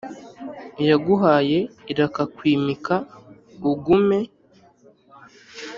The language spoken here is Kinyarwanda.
iyaguhaye irakakwimika ugume.